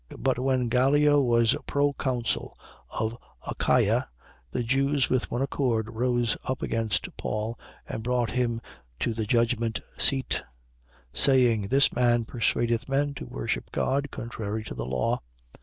18:12. But when Gallio was proconsul of Achaia, the Jews with one accord rose up against Paul and brought him to the judgment seat, 18:13. Saying: This man persuadeth men to worship God contrary to the law.